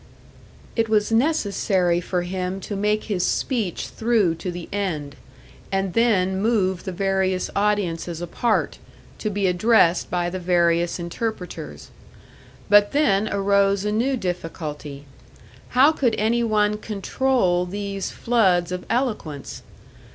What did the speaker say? It was necessary for him to make his speech through to the end, and then move the various audiences apart, to be addressed by the various interpreters. But then arose a new difficulty. How could any one control these floods of eloquence?